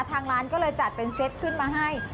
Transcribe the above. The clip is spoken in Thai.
ทางร้านก็เลยจัดเป็นเซตขึ้นมาให้